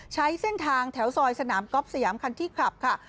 ใช้เส้นทางแถวซอยสนามก๊อฟสยามคันที่ขับค่ะ